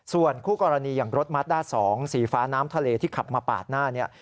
ส่วนคู่กรณีอย่างรถมัดด้าน๒สีฟ้าน้ำทะเลที่ขับมาปาดหน้าเนี่ย